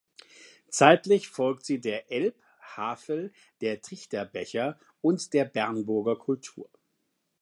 Zeitlich folgt sie der Elb-Havel-, der Trichterbecher- und der Bernburger Kultur.